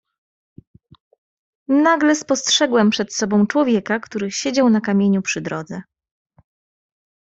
"Nagle spostrzegłem przed sobą człowieka, który siedział na kamieniu przy drodze."